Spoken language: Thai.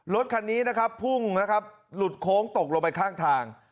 รถคันนี้นะครับพุ่งนะครับหลุดโค้งตกลงไปข้างทาง